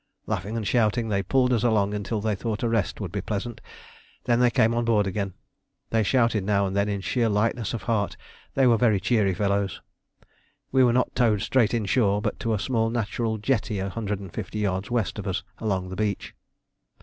Laughing and shouting, they pulled us along until they thought a rest would be pleasant, then they came on board again. They shouted now and then in sheer lightness of heart; they were very cheery fellows. We were not towed straight inshore, but to a small natural jetty a hundred and fifty yards west of us along the beach.